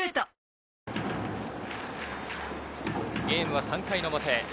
ゲームは３回の表。